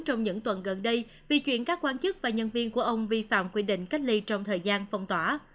trong những tuần gần đây vì chuyện các quan chức và nhân viên của ông vi phạm quy định cách ly trong thời gian phong tỏa